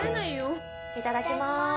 いただきます。